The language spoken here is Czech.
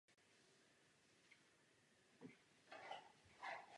Později se řídce používaly různé barevné varianty základních kožešin.